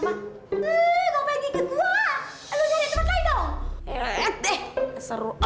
gak mau pergi ke gua